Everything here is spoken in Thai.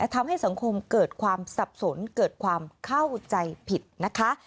ทำให้สังคมเกิดความสับสนเกิดความเข้าใจผิดนะคะ